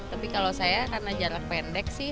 tapi kalau saya karena jarak pendek sih